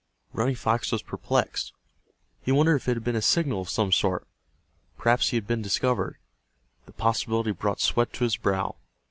Running Fox was perplexed. He wondered if it had been a signal of some sort. Perhaps he had been discovered. The possibility brought sweat to his brow.